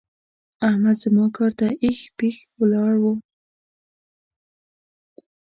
احمد زما کار ته اېښ پېښ ولاړ وو.